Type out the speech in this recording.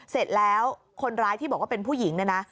เสร็จแล้วคนร้ายที่บอกว่าเป็นผู้หญิงเนี่ยนะ